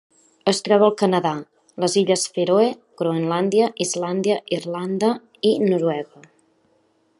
Es troba al Canadà, les illes Fèroe, Groenlàndia, Islàndia, Irlanda i Noruega.